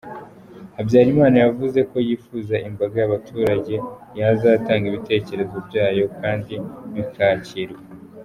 Habyarimana yavuze ko yifuza ko imbaga y’Abanyarwanda yazatanga ibitekerezo byayo kandi bikakirwa.